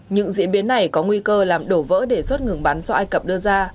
những diễn biến này có nguy cơ làm đổ vỡ đề xuất ngừng bắn cho ai cập đưa ra